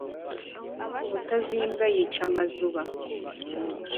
mutazimbwa yica mazuba